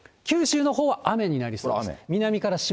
九州のほうは雨になりそうです。